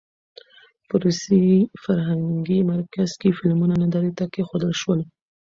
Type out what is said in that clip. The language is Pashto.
په روسي فرهنګي مرکز کې فلمونه نندارې ته کېښودل شول.